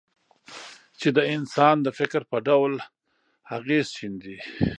چې د انسان د فکر په ډول اغېز شیندي.